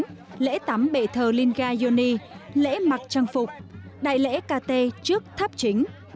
phần lễ tám bệ thờ linh ga yoni lễ mặc trang phục đại lễ kt trước tháp chính